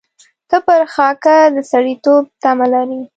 ته پر خاکه د سړېتوب تمه لرې.